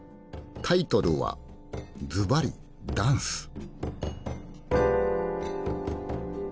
タイトルはずばり「ダンス」。